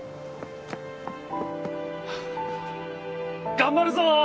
頑張るぞー！